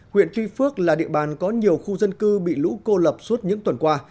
huyện tuy phước là địa bàn có nhiều khu dân cư bị lũ cô lập suốt những tuần qua